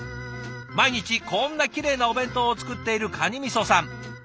毎日こんなきれいなお弁当を作っているかにみそさん。